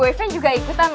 oke yuk siap